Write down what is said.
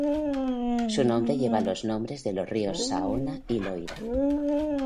Su nombre lleva los nombres de los ríos Saona y Loira.